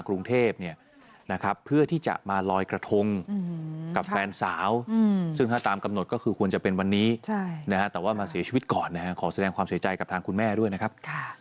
แล้วใครจะรับผิดชอบ